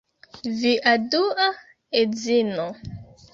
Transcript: Via dua edzino